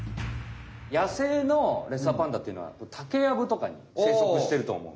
やせいのレッサーパンダっていうのはタケやぶとかにせいそくしてるとおもう。